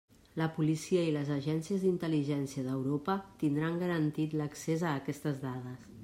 La policia i les agències d'intel·ligència d'Europa tindran garantit l'accés a aquestes dades.